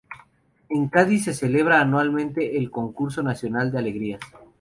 En Cádiz se celebra anualmente el Concurso Nacional de Alegrías.